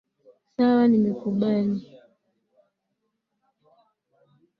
Sawa nimekubali.